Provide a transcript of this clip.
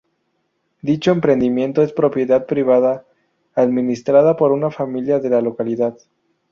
Dicho emprendimiento es propiedad privada, administrada por una familia de la localidad.